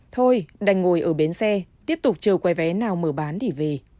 thôi đành ngồi ở bến xe tiếp tục chờ quầy vé nào mở bán để về